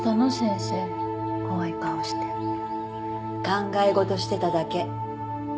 考え事してただけ。